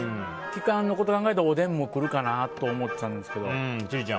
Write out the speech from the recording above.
期間のこと考えるとおでんも来るかなと思っちゃうんですけど。